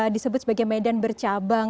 disebut sebagai medan bercabang